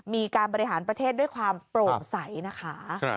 มีการบริหารประเทศด้วยความโปร่งใสนะคะ